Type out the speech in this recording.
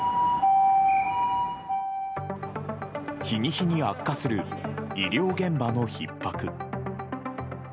日に日に悪化する医療現場のひっ迫。